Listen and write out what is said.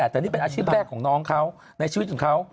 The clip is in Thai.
แต่นี่เป็นอาชีพแรกของน้องเขาในชีวิตของเขา